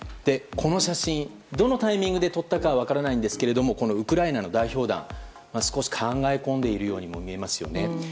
この写真、どのタイミングで撮ったかは分からないんですがこのウクライナの代表団少し考えこんでいるようにも見えますよね。